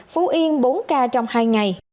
phú yên bốn ca trong hai ngày